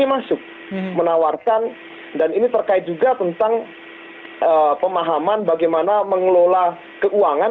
masuk menawarkan dan ini terkait juga tentang pemahaman bagaimana mengelola keuangan